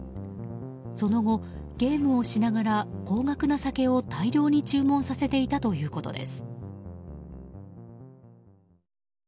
その後、ゲームをしながら高額な酒を大量に注文させていたということです。